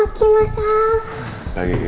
aku ma transplantasi